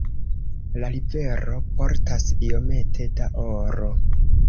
La rivero portas iomete da oro.